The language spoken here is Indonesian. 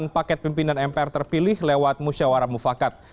delapan paket pimpinan mpr terpilih lewat musyawarah mufakat